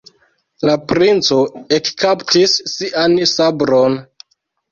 La princo ekkaptis sian sabron.